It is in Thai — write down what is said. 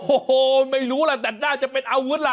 โอ้โหไม่รู้ล่ะแต่น่าจะเป็นอาวุธล่ะ